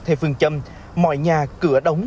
theo phương châm mọi nhà cửa đóng